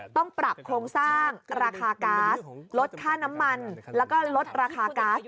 ต้องปรับโครงสร้างราคาก๊าซลดค่าน้ำมันแล้วก็ลดราคาก๊าซ